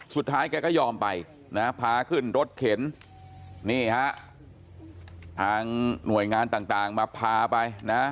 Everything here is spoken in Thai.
แกก็ยอมไปนะพาขึ้นรถเข็นนี่ฮะทางหน่วยงานต่างมาพาไปนะ